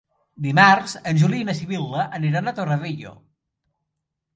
Dimarts en Juli i na Sibil·la iran a Torrevella.